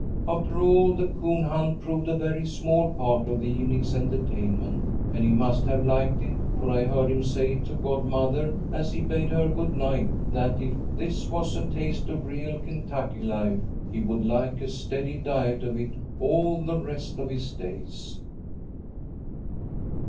"After all, the coon hunt proved a very small part of the evening's entertainment, and he must have liked it, for I heard him say to godmother, as he bade her good night, that if this was a taste of real Kentucky life, he would like a steady diet of it all the rest of his days."